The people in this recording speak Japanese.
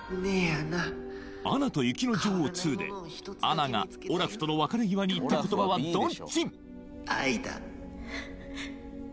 「アナと雪の女王２」でアナがオラフとの別れ際に言った言葉はどっち？